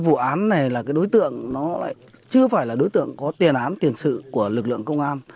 vụ án đó là đối tượng không phải là đối tượng có tiền án tiền sự của lực lượng công an